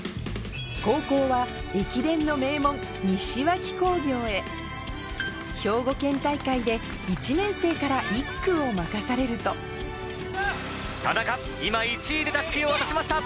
高校は駅伝の兵庫県大会で１年生から１区を任されると田中今１位でたすきを渡しました。